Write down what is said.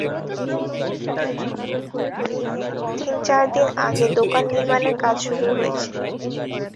এলাকাবাসী সূত্রে জানা গেছে, তিন-চার দিন আগে দোকান নির্মাণের কাজ শুরু হয়েছে।